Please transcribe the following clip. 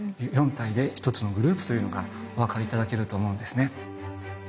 ４体で１つのグループというのがお分かり頂けると思うんですね。